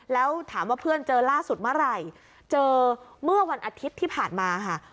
แล้วถามว่าเพื่อนเจอล่าสุดเมื่อไหร่เจอเมื่อวันอาทิตย์ที่ผ่านมาค่ะ